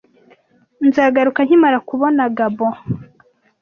Nzagaruka nkimara kubona Gabo .